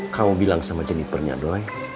kamu bilang sama jenipannya doi